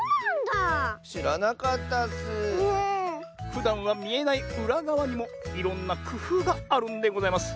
ふだんはみえないうらがわにもいろんなくふうがあるんでございます。